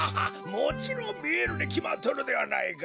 もちろんみえるにきまっとるではないか。